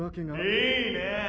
・いいねぇ！